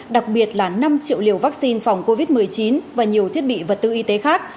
đặc biệt là năm triệu liều vaccine phòng covid một mươi chín và nhiều thiết bị vật tư y tế khác